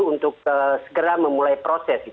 untuk segera memulai proses